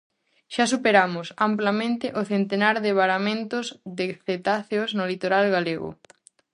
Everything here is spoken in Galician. Xa superamos, amplamente, o centenar de varamentos de cetáceos no litoral galego.